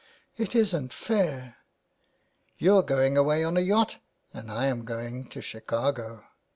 ' It isn't fair, you're going away on a yacht, and I am going to Chicago.'